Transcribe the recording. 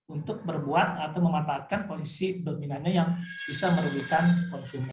untuk memanfaatkan posisi dominannya yang bisa merugikan konsumen